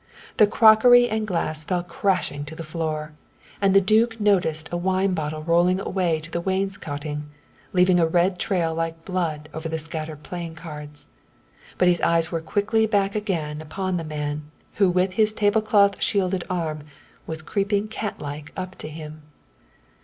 The crockery and glass fell crashing to the floor, and the duke noticed a wine bottle rolling away to the wainscoting, leaving a red trail like blood over the scattered playing cards. But his eyes were quickly back again upon the man, who with his tablecloth shielded arm was creeping cat like up to him.